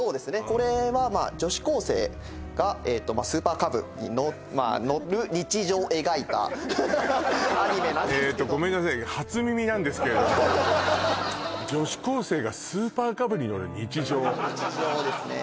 これはまあ女子高生がスーパーカブに乗る日常を描いたアニメなんですけどえとごめんなさい初耳なんですけれども女子高生がスーパーカブに乗る日常日常ですね